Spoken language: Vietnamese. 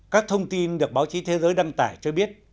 các thông tin được báo chí thế giới đăng tải cho biết